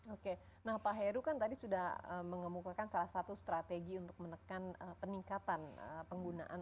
oke nah pak heru kan tadi sudah mengemukakan salah satu strategi untuk menekan peningkatan penggunaan